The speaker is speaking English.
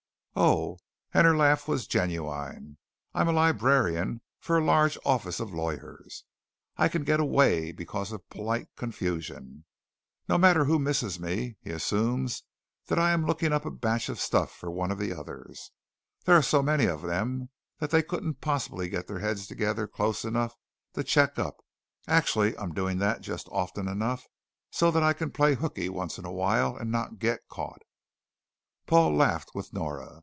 "Oh," and her laugh was genuine. "I'm librarian for a large office of lawyers. I can get away because of polite confusion. No matter who misses me, he assumes that I am looking up a batch of stuff for one of the others. There are so many of them that they couldn't possibly get their heads together close enough to check up. Actually I'm doing just that often enough so that I can play hookey once in a while and not get caught." Paul laughed with Nora.